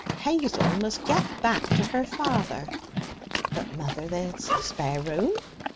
'Hazel must get back to her father.' 'But, mother, there's the spare room.'